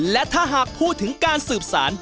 และถ้าหากพูดถึงการสืบสาร